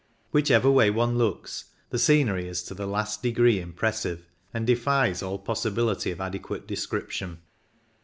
Which ever way one looks the scenery is to the last degree impressive, and defies all possibility of adequate description.